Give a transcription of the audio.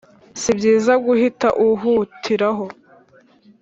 si byiza guhita uhutiraho